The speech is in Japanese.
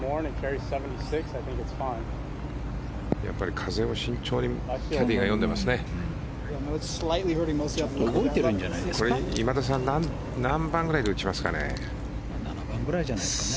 風を慎重にキャディーが読んでいますね。